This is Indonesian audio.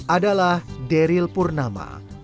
adalah daryl purnama